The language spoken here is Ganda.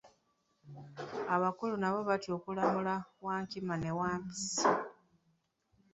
Abakulu nabo baatya okulamula Wankima ne Wampisi.